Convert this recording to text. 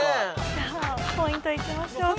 さあポイントいきましょうか。